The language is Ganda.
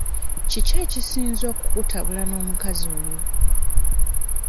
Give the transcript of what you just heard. Kiki ekisinze okukutabula n'omukazi oyo?